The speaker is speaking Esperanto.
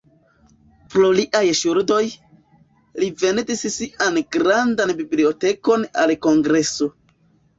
Pro liaj ŝuldoj, li vendis sian grandan bibliotekon al Kongreso.